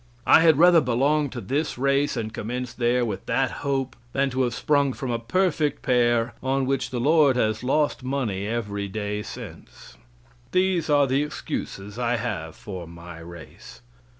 I had rather belong to this race, and commence there, with that hope, than to have sprung from a perfect pair on which the Lord has lost money every day since. These are the excuses I have for my race.